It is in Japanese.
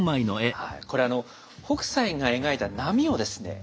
これはあの北斎が描いた波をですね